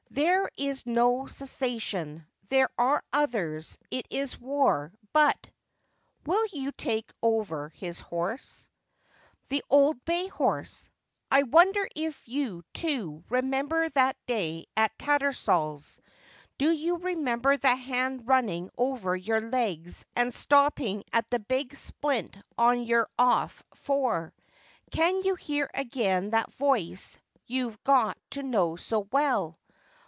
There is no cessation ; there are others ; it is war, but —" Will you take over his horse ?" The old bay horse ! I wonder if you, too, remember that day at Tattersall's. Do you remember the hand running over your legs and stopping at that big splint on your off fore ? Can you hear again that voice you've got to know so well